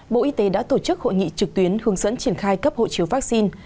bộ y tế đã tổ chức hội nghị trực tuyến hướng dẫn triển khai cấp hộ chiếu vaccine